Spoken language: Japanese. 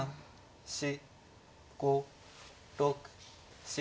４５６７８。